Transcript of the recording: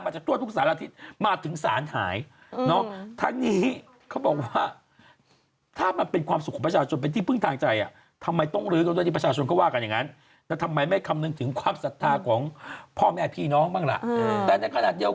ฉันว่าเขาคงไม่ตั้งที่อื่นเขาคงลื้อทิ้งไปแล้วเนี่ยป่านเนี่ย